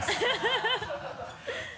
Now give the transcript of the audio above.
ハハハ